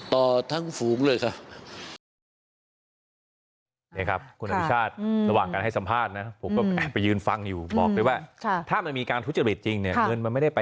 ต่อทั้งฝูงเลยครับ